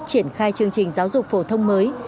triển khai chương trình giáo dục phổ thông mới